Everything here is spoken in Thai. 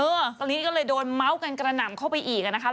ตอนนี้ก็เลยโดนเมาส์กันกระหน่ำเข้าไปอีกอ่ะนะคะ